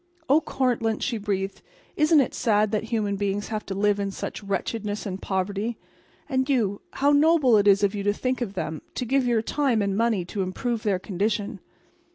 "Oh, Cortlandt," she breathed, "isn't it sad that human beings have to live in such wretchedness and poverty? And you—how noble it is of you to think of them, to give your time and money to improve their condition!"